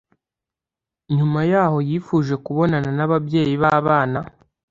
nyuma yaho yifuje kubonana n’ababyeyi b’abana